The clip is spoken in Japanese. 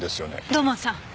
土門さん！